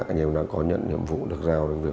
anh em đang có nhận nhiệm vụ được giao